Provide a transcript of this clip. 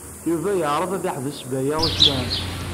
Yuba yeɛreḍ ad iseḥbes Baya U Smaɛil.